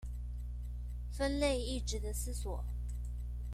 分類亦値得思索